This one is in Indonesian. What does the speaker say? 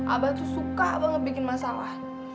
abah tuh suka banget bikin masalah